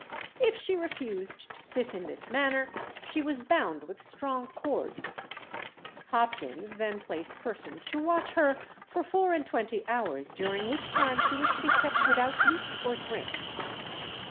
If she refused to sit in this manner, she was bound with strong cords. Hopkins then placed persons to watch her for four and twenty hours, during which time she was to be kept without meat or drink.